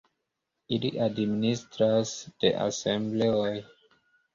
Ili administras de asembleoj.